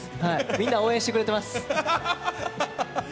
みんな応援してくれてます。